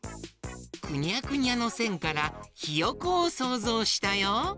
くにゃくにゃのせんから「ひよこ」をそうぞうしたよ。